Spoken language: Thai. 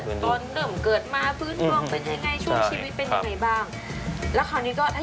ตอนเดิมเกิดมา